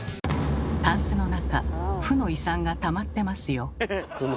たんすの中負の遺産がたまってますよ。